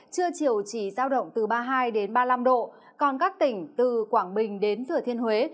trưa chiều chỉ giao động từ ba mươi hai ba mươi năm độ còn các tỉnh từ quảng bình đến thừa thiên huế